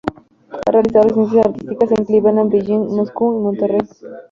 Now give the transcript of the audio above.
Ha realizado residencias artísticas en Cleveland, Beijing, Moscú, Monterrey.